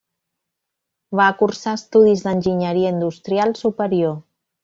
Va cursar estudis d'enginyeria industrial superior.